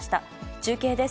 中継です。